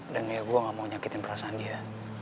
dan gue gak mau nyakitin perasaan dia